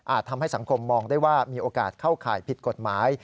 ทำให้สังคมมองได้ว่ามีโอกาสเข้าข่ายผิดกฎหมาย